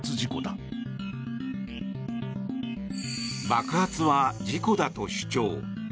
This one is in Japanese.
爆発は事故だと主張。